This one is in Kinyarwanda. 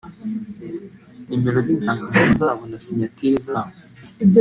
nomero z’indangamuntu zabo na sinyatire zabo